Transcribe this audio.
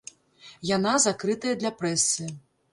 Яна закрытая для прэсы.